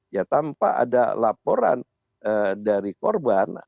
ya tanpa ada laporan dari korban